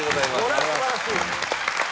これは素晴らしい！